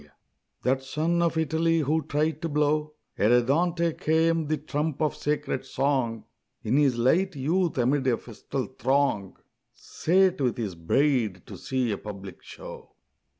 _ That son of Italy who tried to blow, Ere Dante came, the trump of sacred song, In his light youth amid a festal throng Sate with his bride to see a public show.